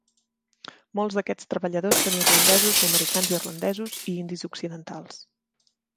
Molts d'aquests treballadors són irlandesos o americans-irlandesos i indis occidentals.